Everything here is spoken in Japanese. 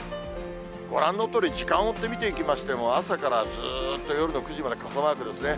ご覧のとおり、時間を追って見ていきましても、朝からずーっと、夜の９時まで傘マークですね。